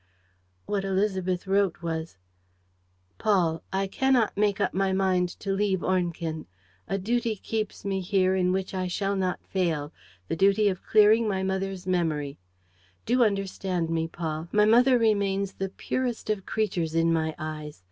What Élisabeth wrote was: "Paul, "I cannot make up my mind to leave Ornequin. A duty keeps me here in which I shall not fail, the duty of clearing my mother's memory. Do understand me, Paul. My mother remains the purest of creatures in my eyes.